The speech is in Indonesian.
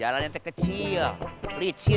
kalau saya tidak suka puisi tadi suka